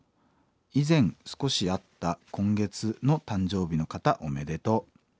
以前少しあった今月の誕生日の方おめでとう。